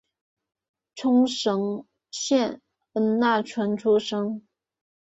冲绳县恩纳村出身。